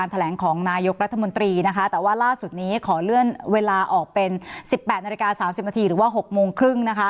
แต่ว่าล่าสุดนี้ขอเลื่อนเวลาออกเป็น๑๘น๓๐นหรือว่า๖โมงครึ่ง